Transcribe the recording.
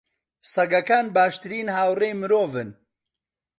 سەگەکان باشترین هاوڕێی مرۆڤن.